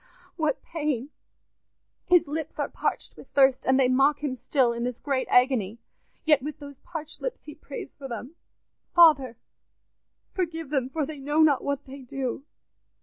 Ah, what pain! His lips are parched with thirst, and they mock him still in this great agony; yet with those parched lips he prays for them, 'Father, forgive them, for they know not what they do.